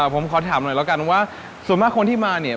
ผมขอถามหน่อยแล้วกันว่าส่วนมากคนที่มาเนี่ย